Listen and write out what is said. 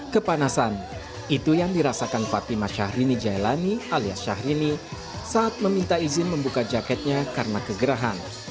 kepanasan itu yang dirasakan fatimah syahrini jailani alias syahrini saat meminta izin membuka jaketnya karena kegerahan